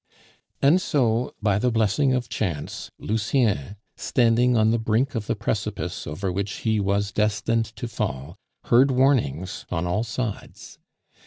And so, by the blessing of chance, Lucien, standing on the brink of the precipice over which he was destined to fall, heard warnings on all sides.